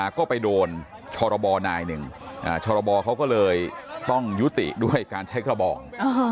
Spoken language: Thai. ก็ไปโดนชรบนายหนึ่งชรบเขาก็เลยต้องยุติด้วยการใช้กระบอง